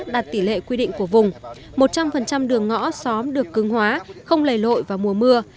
đạt tỷ lệ quy định của vùng một trăm linh đường ngõ xóm được cưng hóa không lầy lội vào mùa mưa